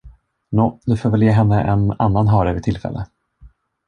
Nå, du får väl ge henne en annan hare vid tillfälle!